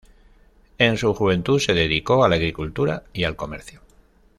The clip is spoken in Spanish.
En su juventud se dedicó a la agricultura y al comercio.